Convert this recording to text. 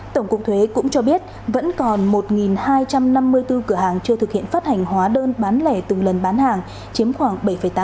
tổng cục thuế cũng cho biết vẫn còn một hai trăm năm mươi bốn cửa hàng chưa thực hiện phát hành hóa đơn bán lẻ từng lần bán hàng chiếm khoảng bảy tám